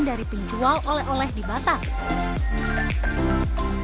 dari penjual oleh oleh di batam